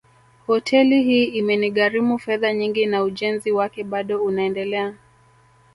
Hoteli hii imenigharimu fedha nyingi na ujenzi wake bado unaendelea